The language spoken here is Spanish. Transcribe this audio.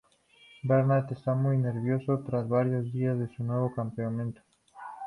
Bernard está muy nervioso tras varios días en su nuevo campamento.